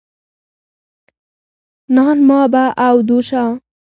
نان ما به او دو شا.